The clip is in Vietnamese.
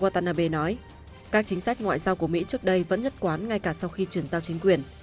watanabe nói các chính sách ngoại giao của mỹ trước đây vẫn nhất quán ngay cả sau khi chuyển giao chính quyền